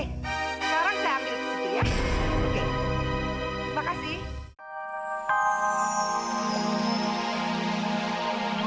sekarang saya ambil disitu ya